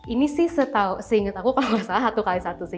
ini sih setau seinget aku kalau gak salah satu kali satu sih